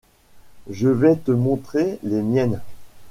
Je vais te montrer les miennes !